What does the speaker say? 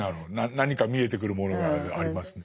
何か見えてくるものがありますね。